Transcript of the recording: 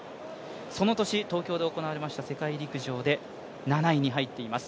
その年、東京で行われました世界陸上で７位に入っています。